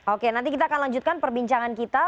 oke nanti kita akan lanjutkan perbincangan kita